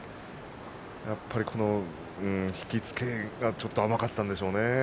やはり引き付けがちょっと甘かったんでしょうね。